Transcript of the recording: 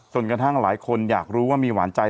จนกระทั่งหลายคนอยากรู้ว่ามีหวานใจ